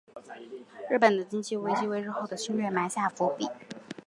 日本的经济危机成为日后的侵略埋下伏笔。